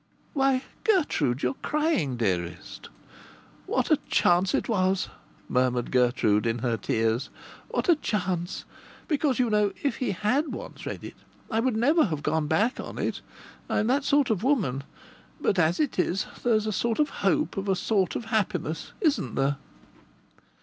"Why, Gertrude, you're crying, dearest!" "What a chance it was!" murmured Gertrude, in her tears. "What a chance! Because, you know, if he had once read it I would never have gone back on it. I'm that sort of woman. But as it is, there's a sort of hope of a sort of happiness, isn't there?"